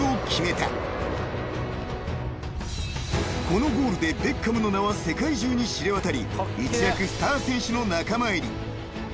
［このゴールでベッカムの名は世界中に知れ渡り一躍スター選手の仲間入り］